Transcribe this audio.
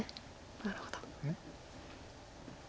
なるほど。